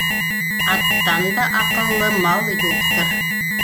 Аттан да аҡыллы мал юҡтыр.